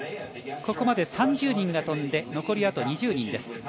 ここまで３０人が飛んで残りあと２０人です。